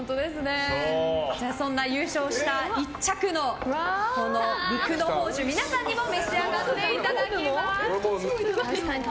そんな優勝した１着の陸乃宝珠皆さんにも召し上がっていただきます。